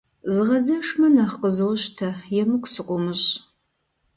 Згъэзэжмэ, нэхъ къызощтэ, емыкӀу сыкъыумыщӀ.